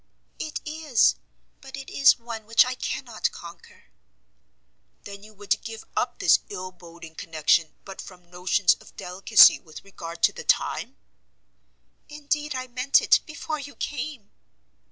"It is; but it is one which I cannot conquer." "Then you would give up this ill boding connection, but from notions of delicacy with regard to the time?" "Indeed I meant it, before you came."